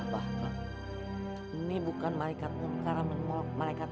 bapak ini bukan malaikat mentara menolak malaikat